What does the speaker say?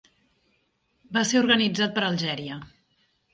Va ser organitzat per Algèria.